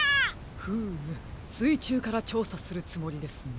フームすいちゅうからちょうさするつもりですね。